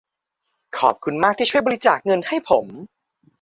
ขอบคุณมากที่ช่วยบริจาคเงินให้ผม